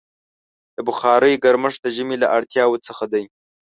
د بخارۍ ګرمښت د ژمي له اړتیاوو څخه دی.